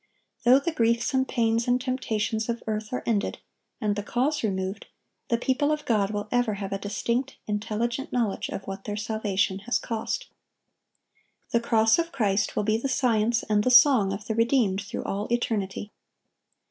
Though the griefs and pains and temptations of earth are ended, and the cause removed, the people of God will ever have a distinct, intelligent knowledge of what their salvation has cost. The cross of Christ will be the science and the song of the redeemed through all eternity.